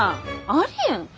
ありえん！